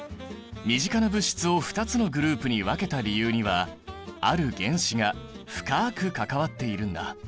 身近な物質を２つのグループに分けた理由にはある原子が深く関わっているんだ。